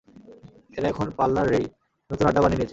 এরা এখন পার্লাররেই নতুন আড্ডা বানিয়ে নিয়েছে।